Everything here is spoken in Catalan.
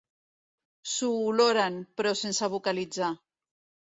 S'ho oloren, però sense vocalitzar.